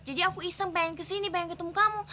jadi aku iseng pengen kesini pengen ketemu kamu